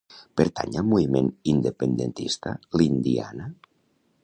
Pertany al moviment independentista l'Indianna?